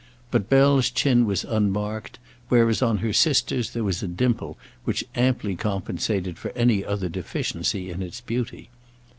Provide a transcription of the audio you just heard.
But Bell's chin was unmarked, whereas on her sister's there was a dimple which amply compensated for any other deficiency in its beauty.